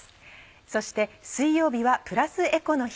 そして水曜日はプラスエコの日。